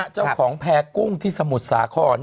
เจ้าของแพงกุ้งที่สมุทรสาคร